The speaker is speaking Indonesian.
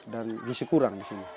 dan gisi kurang di sini